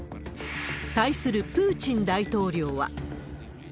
対するプーチン大統領は。